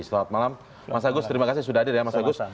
selamat malam mas agus terima kasih sudah hadir ya mas agus